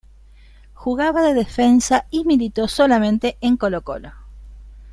Jugaba de defensa y militó solamente en Colo-Colo.